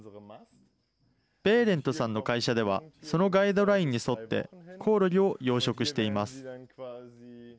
ベーレントさんの会社ではそのガイドラインに沿ってこおろぎを養殖しています。